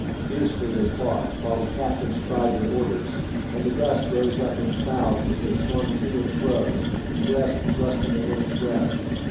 Fiercely they fought, while the captains cried their orders, and the dust rose up in clouds as they swung to and fro, breast thrusting against breast.